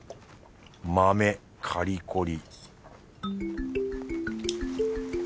豆カリコリ